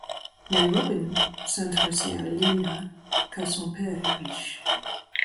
Mais Robin s'intéresse à Lena car son père est riche.